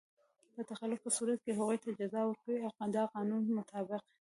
په تخلف په صورت کې هغوی ته جزا ورکوي د قانون مطابق.